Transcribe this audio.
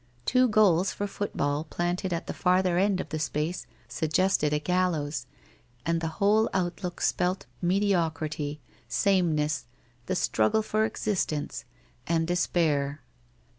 Two goals for football planted at the farther end of the space sug gested a gallows, and the whole outlook spelt mediocrity, sameness, the struggle for existence, and despair.